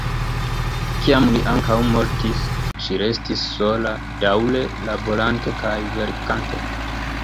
Kiam li ankaŭ mortis, ŝi restis sola, daŭre laborante kaj verkante.